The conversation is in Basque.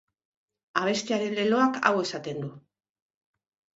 Abestiaren leloak hau esaten du.